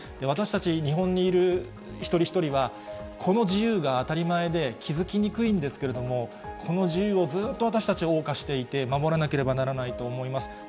私たち日本にいる一人一人は、この自由が当たり前で気付きにくいんですけど、この自由をずっと私たち、おう歌していて、守らなければならないと思います。